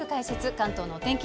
関東のお天気